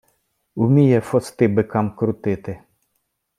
Уміє фости бикам крутити.